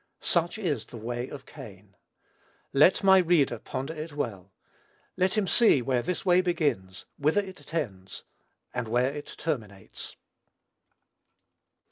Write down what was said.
Such is "the way of Cain." Let my reader ponder it well. Let him see where this way begins, whither it tends, and where it terminates.